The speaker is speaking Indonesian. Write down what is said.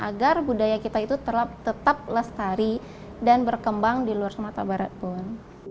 agar budaya kita itu tetap lestari dan berkembang di luar sumatera barat pun